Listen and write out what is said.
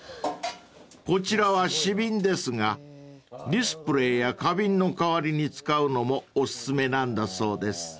［こちらはし瓶ですがディスプレーや花瓶の代わりに使うのもお薦めなんだそうです］